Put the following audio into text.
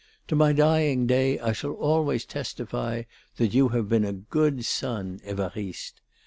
To my dying day I shall always testify that you have been a good son, Évariste.